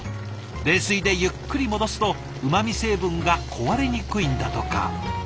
冷水でゆっくり戻すとうまみ成分が壊れにくいんだとか。